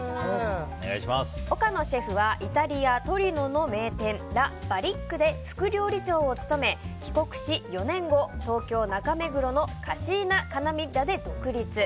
岡野シェフはイタリア・トリノの名店ラ・バリックで副料理長を務め帰国し、４年後東京・中目黒のカシーナ・カナミッラで独立。